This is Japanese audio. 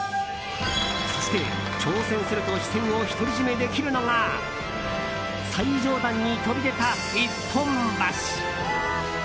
そして、挑戦すると視線を独り占めできるのが最上段に飛び出た、一本橋。